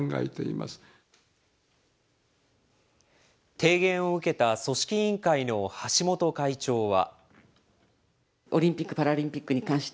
提言を受けた組織委員会の橋本会長は。